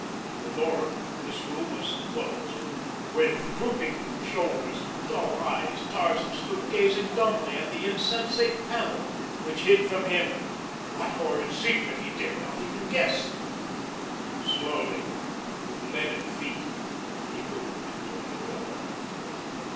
The door of this room was closed. With drooping shoulders and dull eyes Tarzan stood gazing dumbly at the insensate panel which hid from him what horrid secret he dared not even guess. Slowly, with leaden feet, he moved toward the door.